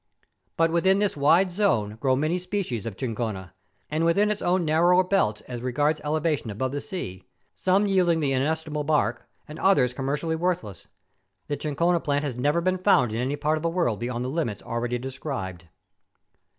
But within this wide zone grow many species of chinchona, and within its own narrower belts as regards elevation above the sea, some yielding the inestimable bark, and others commercially worthless. The chinchona plant has never been found in any part of the world beyond the limits already de¬ scribed.